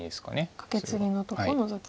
カケツギのところをノゾキ。